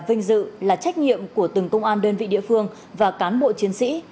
vinh dự là trách nhiệm của từng công an đơn vị địa phương và cán bộ chiến sĩ